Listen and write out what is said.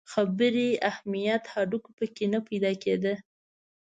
خبري اهمیت هډو په کې نه پیدا کېده.